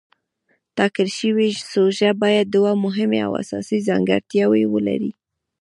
ټاکل شوې سوژه باید دوه مهمې او اساسي ځانګړتیاوې ولري.